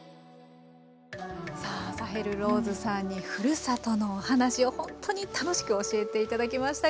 さあサヘル・ローズさんにふるさとのお話をほんとに楽しく教えて頂きましたが。